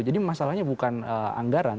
jadi masalahnya bukan anggaran